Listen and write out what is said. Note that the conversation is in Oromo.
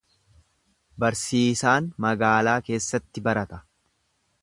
Barsiisaan magaalaa keessatti barata.